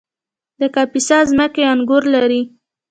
د کاپیسا ځمکې انګور لري